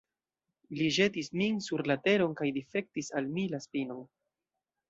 Li ĵetis min sur la teron kaj difektis al mi la spinon.